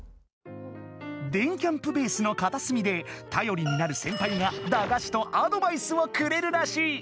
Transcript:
電キャんぷベースのかたすみでたよりになるセンパイがだがしとアドバイスをくれるらしい。